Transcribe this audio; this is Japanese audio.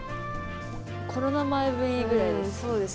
コロナ前ぶりぐらいです。